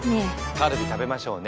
カルビ食べましょうね。